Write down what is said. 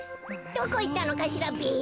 どこいったのかしらべ。